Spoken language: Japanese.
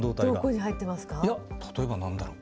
例えば何だろう。